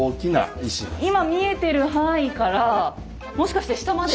今見えてる範囲からもしかして下までですか？